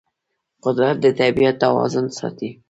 قدرت د طبیعت توازن ساتي.